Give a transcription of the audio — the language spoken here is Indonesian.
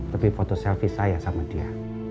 tapi foto selfie saya sama dia